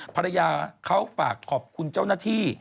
ภรรยาเขาฝากขอบคุณเจ้าหน้าที่